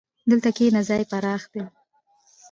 دلته کښېنه، ځای پراخ دی.